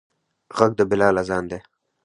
غږ د بلال اذان دی